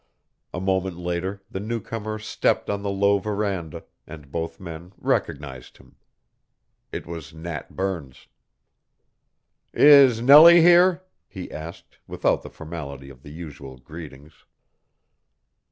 A moment later the newcomer stepped on the low veranda, and both men recognized him. It was Nat Burns. "Is Nellie here?" he asked without the formality of the usual greetings.